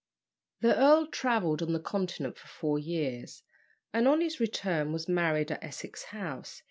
The earl travelled on the Continent for four years, and on his return was married at Essex House.